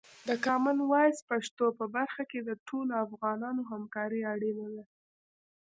د کامن وایس پښتو په برخه کې د ټولو افغانانو همکاري اړینه ده.